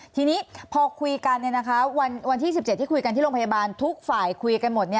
ทีนี้พอคุยกันวันที่๑๗ที่คุยกันที่โรงพยาบาลทุกฝ่ายคุยกันหมด